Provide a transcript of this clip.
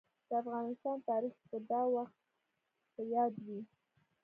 د افغانستان تاريخ به دا وخت په ياد وي.